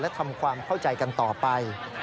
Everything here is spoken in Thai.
และทำความเข้าใจกันต่อไป